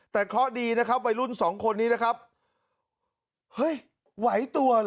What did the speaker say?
แต่เคราะห์ดีนะครับวัยรุ่นสองคนนี้นะครับเฮ้ยไหวตัวเหรอ